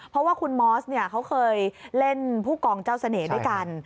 เพราะว่าคุณมอสเนี่ยเขาเคยเล่นผู้กองเจ้าเสน่ห์ด้วยกัน